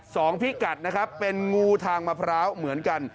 พิกัดนะครับเป็นงูทางมะพร้าวเหมือนกัน